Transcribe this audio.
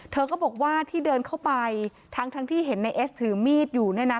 เธอก็บอกว่าที่เดินเข้าไปทั้งที่เห็นในเอสถือมีดอยู่เนี่ยนะ